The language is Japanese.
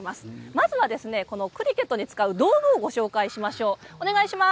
まずは、このクリケットで使う道具をご紹介しましょう。